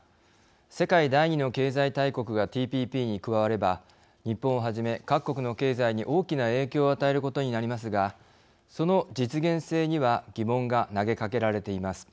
世界第二の経済大国がＴＰＰに加われば日本をはじめ各国の経済に大きな影響を与えることになりますがその実現性には疑問が投げかけられています。